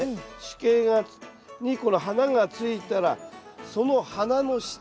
主茎にこの花がついたらその花の下。